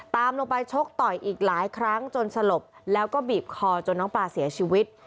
ตามลงไปชกต่อยอีกหลายครั้งจนสลบแล้วก็บีบคอจนน้องปลาเสียชีวิต